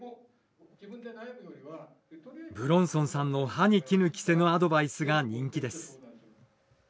武論尊さんの歯にきぬ着せぬアドバイスが人気です。